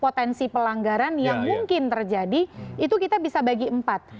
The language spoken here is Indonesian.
potensi pelanggaran yang mungkin terjadi itu kita bisa bagi empat